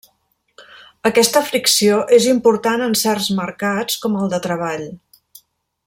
Aquesta fricció és important en certs mercats, com el de treball.